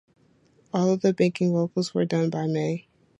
All of the backing vocals were done by May.